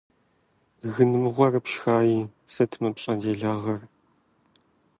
Гын мыгъуэр пшхаи, сыт мы пщӀэ делагъэр?